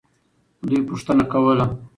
دوی پوښتنه کوله.